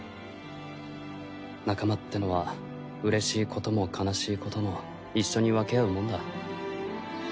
仲間ってのはうれしいことも悲しいことも一緒に分け合うもんだ。